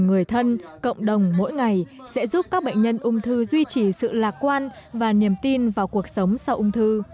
người thân cộng đồng mỗi ngày sẽ giúp các bệnh nhân ung thư duy trì sự lạc quan và niềm tin vào cuộc sống